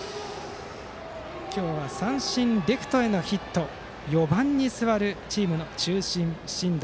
今日は三振レフトへのヒット４番に座るチームの中心、真藤。